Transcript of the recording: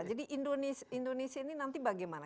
indonesia ini nanti bagaimana